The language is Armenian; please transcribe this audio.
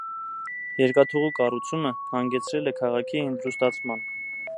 Երկաթուղու կառուցումը հանգեցրել է քաղաքի ինդրուստացման։